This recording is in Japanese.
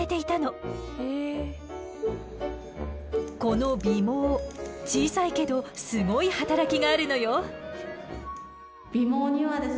この尾毛小さいけどすごい働きがあるのよ。